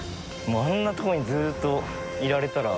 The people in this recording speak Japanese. あんなとこにずっといられたら。